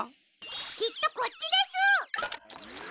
きっとこっちです。